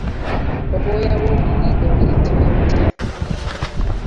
Obwoya bw’omu nnyindo buyitibwa butya?